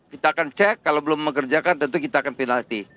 kita akan cek kalau belum mengerjakan tentu kita akan penalti